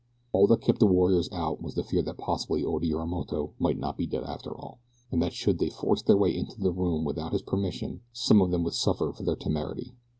All that kept the warriors out was the fear that possibly Oda Yorimoto might not be dead after all, and that should they force their way into the room without his permission some of them would suffer for their temerity.